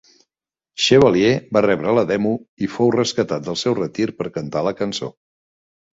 Chevalier va rebre la demo i fou rescatat del seu retir per cantar la cançó.